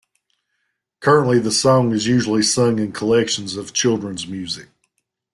Currently the song is usually sung in collections of children's music.